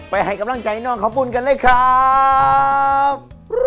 ให้กำลังใจน้องข้าวปุ้นกันเลยครับ